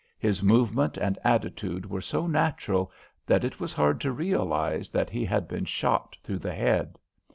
His movement and attitude were so natural that it was hard to realise that he had been shot through the head.